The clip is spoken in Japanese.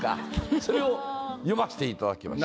それを詠ましていただきました。